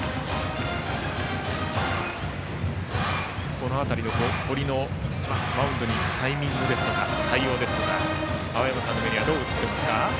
この辺りの堀のマウンドに行くタイミングですとか対応ですとか青山さんの目にはどう映っていますか？